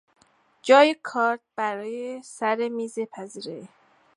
جای کارد برای سر میز پذیرایی